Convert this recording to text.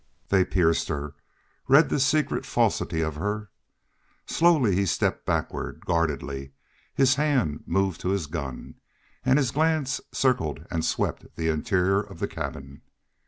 They pierced her read the secret falsity of her. Slowly he stepped backward, guardedly his hand moved to his gun, and his glance circled and swept the interior of the cabin.